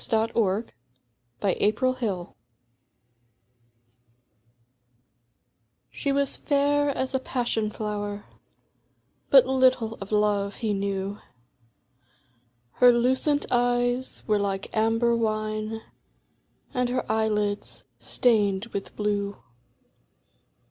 Among the Rice Fields SHE was fair as a Passion flower, (But little of love he knew.) Her lucent eyes were like amber wine, And her eyelids stained with blue.